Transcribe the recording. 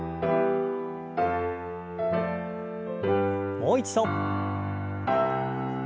もう一度。